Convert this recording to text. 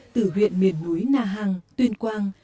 từ huyện miền núi na hàng tuyên quang